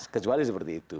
kecuali seperti itu